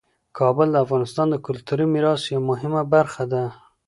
کابل د افغانستان د کلتوري میراث یوه مهمه برخه ده.